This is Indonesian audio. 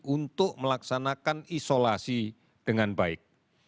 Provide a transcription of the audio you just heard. untuk melaksanakan isolasi dengan baik